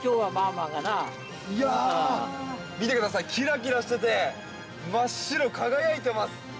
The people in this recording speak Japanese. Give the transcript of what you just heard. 見てください、キラキラしてて真っ白、輝いています。